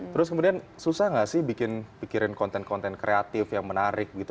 terus kemudian susah nggak sih bikin pikirin konten konten kreatif yang menarik gitu